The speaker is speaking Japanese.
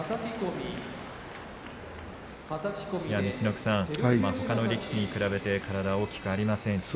陸奥さん、ほかの力士に比べて体が大きくありませんし。